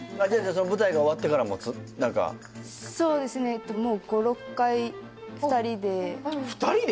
その舞台が終わってからも何かそうですねもう５６回２人で２人で！？